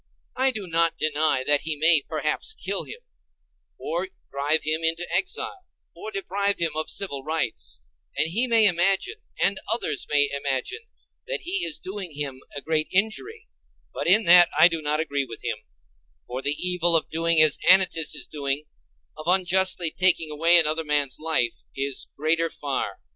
I do not deny that he may, perhaps, kill him, or drive him into exile, or deprive him of civil rights; and he may imagine, and others may imagine, that he is doing him a great injury: but in that I do not agree with him; for the evil of doing as Anytus is doing—of unjustly taking away another man's life—is greater far.